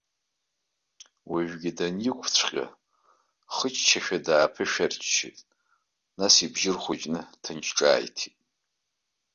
Уажәгьы даниқәцәҟьа, хыччашақә дааԥышәарччеит, нас ибжьы рхәыҷны, ҭынч ҿааиҭит.